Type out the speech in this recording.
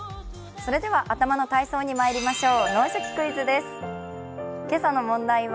それでは、頭の体操にまいりましょう。